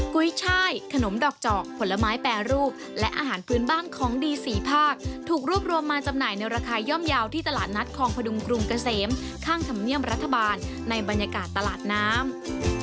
กุ้ยช่ายขนมดอกเจาะผลไม้แปรรูปและอาหารพื้นบ้านของดีสี่ภาคถูกรวบรวมมาจำหน่ายในราคาย่อมเยาว์ที่ตลาดนัดคลองพดุงกรุงเกษมข้างธรรมเนียมรัฐบาลในบรรยากาศตลาดน้ำ